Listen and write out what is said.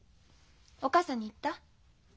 お母さんに言った？